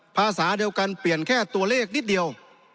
ภาษาเดียวกันเปลี่ยนแค่ตัวเลขนิดเดียว